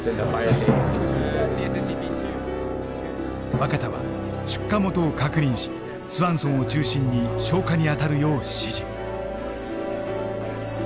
若田は出火元を確認しスワンソンを中心に消火に当たるよう指示。